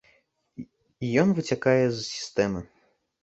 Ён выцякае з сістэмы.